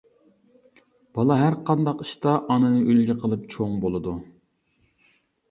بالا ھەر قانداق ئىشتا ئانىنى ئۈلگە قىلىپ چوڭ بولىدۇ.